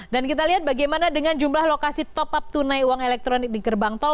dan kita lihat bagaimana dengan jumlah lokasi top up tunai uang elektronik di gerbang tol